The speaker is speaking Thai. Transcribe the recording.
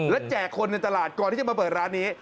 และแจกคนในตลาดก่อนที่จะมาเปิดร้านนี้